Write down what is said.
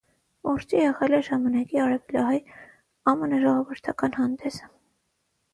«Մուրճը» եղել է ժամանակի արևելահայ ամենաժողովրդական հանդեսը։